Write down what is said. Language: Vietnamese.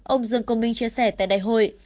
ông dương công minh chia sẻ tại đại hội